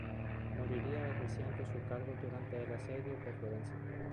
Moriría ejerciendo su cargo durante el asedio de Florencia.